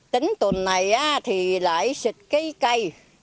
tính tuần này á thì lại xịt cái cây